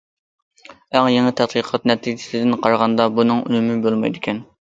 ئەڭ يېڭى تەتقىقات نەتىجىسىدىن قارىغاندا، بۇنىڭ ئۈنۈمى بولمايدىكەن.